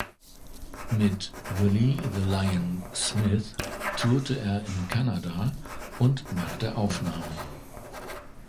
Mit Willie „The Lion“ Smith tourte er in Kanada und machte Aufnahmen.